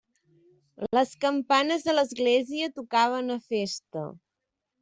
Les campanes de l'església tocaven a festa.